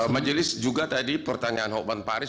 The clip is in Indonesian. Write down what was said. majelis juga tadi pertanyaan hokman paris